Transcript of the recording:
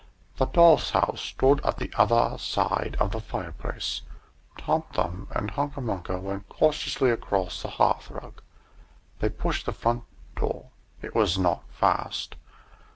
The doll's house stood at the other side of the fire place. Tom Thumb and Hunca Munca went cautiously across the hearthrug. They pushed the front door it was not fast.